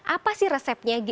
apa sih resepnya